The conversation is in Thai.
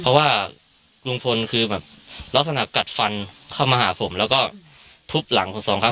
เพราะว่าลุงพลคือแบบลักษณะกัดฟันเข้ามาหาผมแล้วก็ทุบหลังผมสองครั้ง